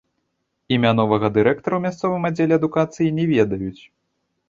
Імя новага дырэктара ў мясцовым аддзеле адукацыі не ведаюць.